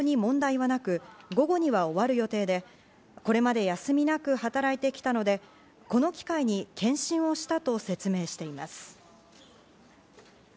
総理秘書官によりますと、体調に問題はなく、午後には終わる予定で、これまで休みなく働いてきたので、この機会に検診をしたと説明しています。